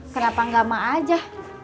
kenapa enggak mak aja